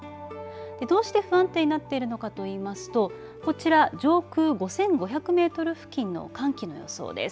どうして不安定になっているのかといいますとこちら上空５５００メートル付近の寒気の予想です。